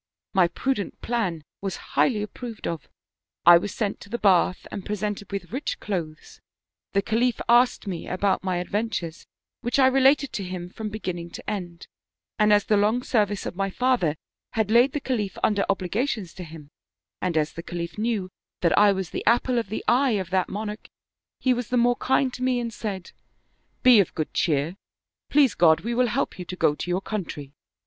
" My prudent plan was highly approved of ; I was sent to the bath and presented with rich clothes; the Khalif asked me about my adventures, which I related to him from beginning to end; and as the long service of my father had laid the Khalif under obligations to him, and as the Khalif knew that I was the apple of the eye of that monarch, he was the more kind to me and said :* Be of good cheer ! Please God, we will help you to go to your country.'